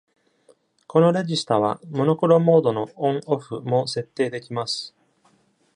これらのレジスタは、モノクロモードのオン/オフも設定できます。